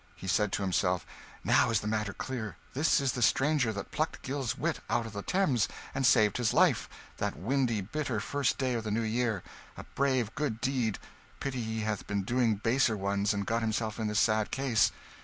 He said to himself: "Now is the matter clear; this is the stranger that plucked Giles Witt out of the Thames, and saved his life, that windy, bitter, first day of the New Year a brave good deed pity he hath been doing baser ones and got himself in this sad case